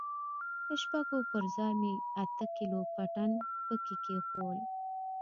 د شپږو پر ځاى مې اته کيلو پټن پکښې کښېښوول.